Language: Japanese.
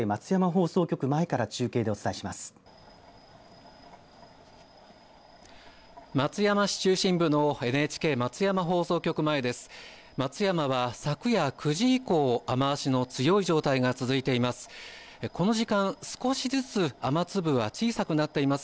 松山は昨夜９時以降雨足の強い状態が続いています。